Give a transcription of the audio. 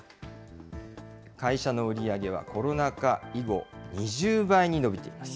会社の売り上げはコロナ禍以後、２０倍に伸びています。